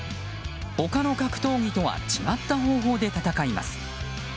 他の格闘技とは違った方法で戦います。